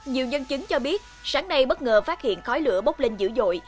nhiều nhân chứng cho biết sáng nay bất ngờ phát hiện khói lửa bốc lên dữ dội